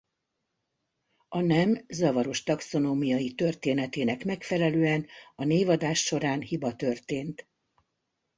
A nem zavaros taxonómiai történetének megfelelően a névadás során hiba történt.